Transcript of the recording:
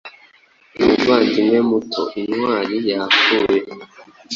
Umuvandimwe muto intwari yapfuye